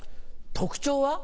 特徴は？